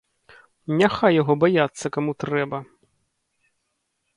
Няхай яго баяцца каму трэба!